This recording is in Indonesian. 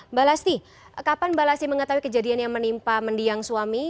mbak lasti kapan mbak lasti mengetahui kejadian yang menimpa mendiang suami